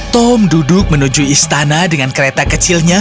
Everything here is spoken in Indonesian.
tom duduk menuju istana dengan kereta kecilnya